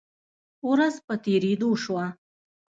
ورځ په تیریدو شوه